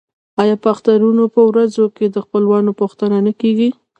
آیا د اخترونو په ورځو کې د خپلوانو پوښتنه نه کیږي؟